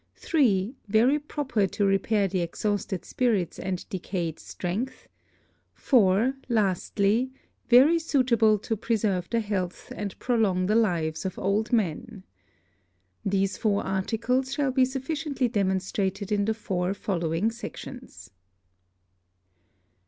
3. Very proper to repair the exhausted Spirits and decayed Strength. 4. Lastly, Very suitable to preserve the Health, and prolong the Lives of old Men. These four Articles shall be sufficiently demonstrated in the four following Sections.